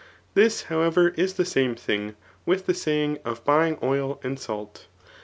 This, however, is the same thing with the saying, of buying oil and salt.